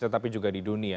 tetapi juga di dunia